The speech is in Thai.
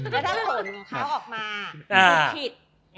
แล้วด้านหล่นของเขาออกมาคือผิด